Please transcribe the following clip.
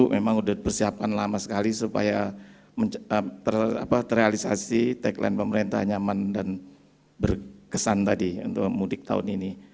memang sudah dipersiapkan lama sekali supaya terrealisasi tagline pemerintah nyaman dan berkesan tadi untuk mudik tahun ini